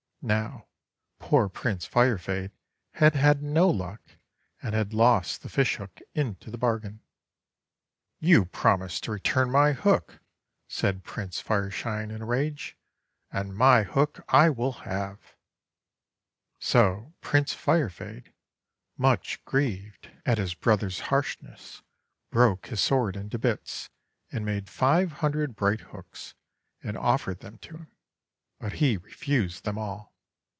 Now poor Prince Firefade had had no luck, and had lost the fish hook into the bargain. 'You promised to return my hook," said Prince Fireshine in a rage, "and my hook I will have." So Prince Firefade, much grieved at his 228 THE WONDER GARDEN brother's harshness, broke his sword into bits, and made five hundred bright hooks, and offered them to him. But he refused them all.